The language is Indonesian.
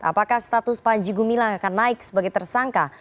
apakah status panji gumilang akan naik sebagai tersangka